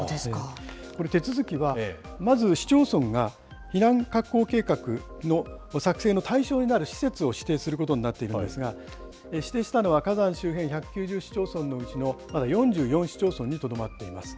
これ、手続きは、まず市町村が避難確保計画の作成の対象になる施設を指定することになっているんですが、指定したのは、火山周辺１９０市町村のうちの、まだ４４市町村にとどまっています。